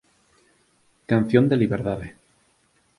Canción de liberdade